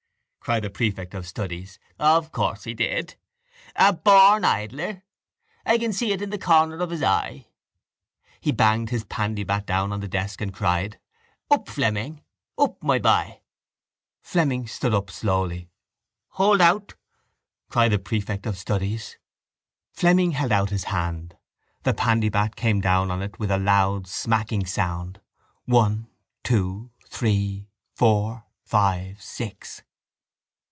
cried the prefect of studies, of course he did! A born idler! I can see it in the corner of his eye. He banged his pandybat down on the desk and cried: —Up, Fleming! Up, my boy! Fleming stood up slowly. —Hold out! cried the prefect of studies. Fleming held out his hand. The pandybat came down on it with a loud smacking sound: one, two, three, four, five, six.